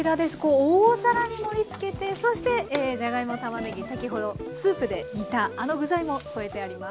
大皿に盛りつけてそしてじゃがいもたまねぎ先ほどスープで煮たあの具材も添えてあります。